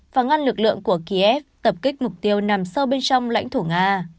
và ngăn lực lượng của kiev tập kích mục tiêu nằm sâu bên trong lãnh thổ nga